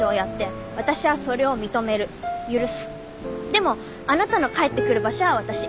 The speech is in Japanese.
でもあなたの帰ってくる場所は私。